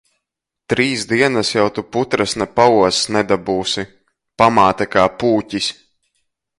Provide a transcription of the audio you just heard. Trīs dienas jau tu putras ne paost nedabūsi. Pamāte kā pūķis.